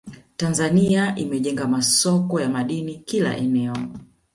Tanzania imejenga masoko ya madini kila eneo